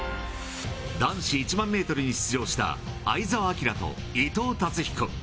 男子１００００メートルに出場した相澤晃と伊藤達彦。